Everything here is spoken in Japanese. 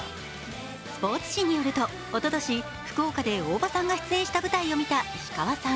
スポーツ紙によると、おととし福岡で大場さんが出演した舞台を見た石川さん。